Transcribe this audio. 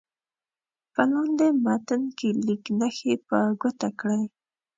په لاندې متن کې لیک نښې په ګوته کړئ.